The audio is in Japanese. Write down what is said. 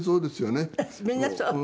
みんなそう？